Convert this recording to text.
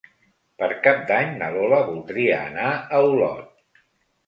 Per Cap d'Any na Lola voldria anar a Olot.